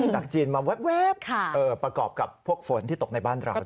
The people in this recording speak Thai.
จากจีนมาแว๊บประกอบกับพวกฝนที่ตกในบ้านเรา